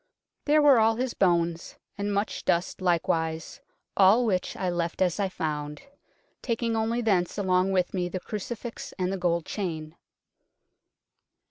There were all his Bones, and much dust like wise, all which I left as I found, taking only thence along with me the Crucifix and the Gold Chain."